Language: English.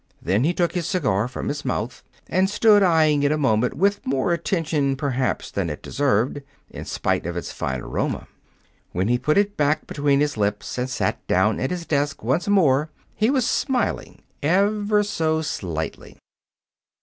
Then he took his cigar from his mouth and stood eying it a moment with more attention, perhaps, than it deserved, in spite of its fine aroma. When he put it back between his lips and sat down at his desk once more he was smiling ever so slightly.